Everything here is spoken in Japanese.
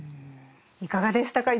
いかがでしたか？